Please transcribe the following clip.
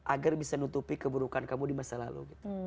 agar bisa nutupi keburukan kamu di masa lalu